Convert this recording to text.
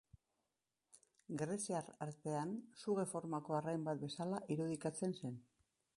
Greziar artean, suge formako arrain bat bezala irudikatzen zen.